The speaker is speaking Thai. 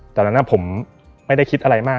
ตอนนั้นผมไม่ได้คิดอะไรมาก